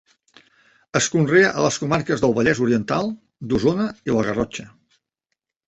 Es conrea a les comarques del Vallès Oriental, d'Osona i la Garrotxa.